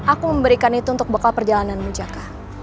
aku memberikan itu untuk bekal perjalananmu jaga